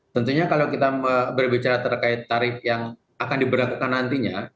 tentunya kalau kita berbicara terkait tarif yang akan diberlakukan nantinya